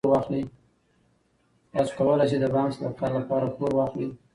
تاسو کولای شئ له بانک څخه د کار لپاره پور واخلئ.